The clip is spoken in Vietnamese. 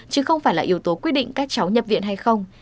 chứ không phải là yếu tố quyết định các cháu nhập viện hay không